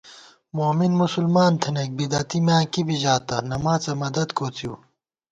مومِن مسلمان تھنَئیک، بدعتی میاں کِبی ژاتہ، نماڅہ مدد کوڅِیؤ